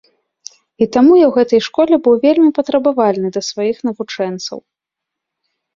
І таму я ў гэтай школе быў вельмі патрабавальны да сваіх навучэнцаў.